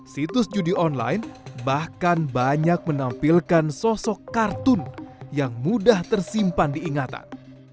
situs judi online bahkan banyak menampilkan sosok kartun yang mudah tersimpan diingatan